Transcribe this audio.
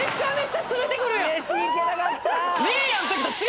飯行けなかった！